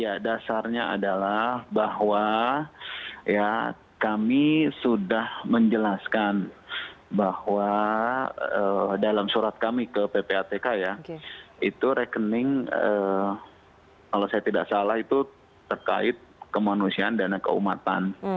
ya dasarnya adalah bahwa ya kami sudah menjelaskan bahwa dalam surat kami ke ppatk ya itu rekening kalau saya tidak salah itu terkait kemanusiaan dana keumatan